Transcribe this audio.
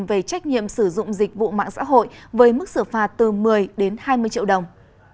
về trách nhiệm sử dụng dịch vụ mạng xã hội với mức xử phạt từ một mươi đến hai mươi triệu đồng